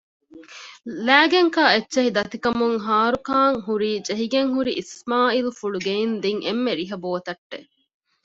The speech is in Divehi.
ލައިގެންކާ އެއްޗެހި ދަތިކަމުން ހާރުކާން ހުރީ ޖެހިގެންހުރި އިސްމާއީލްފުޅު ގެއިން ދިން އެންމެ ރިހަ ބޯތައްޓެއް